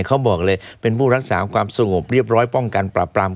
เขาบอกเลยเป็นผู้รักษาความสงบเรียบร้อยป้องกันปรับปราม